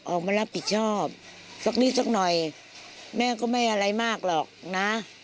ออกมารับผิดชอบสักนิดสักหน่อยแม่ก็ไม่อะไรมากหรอกนะ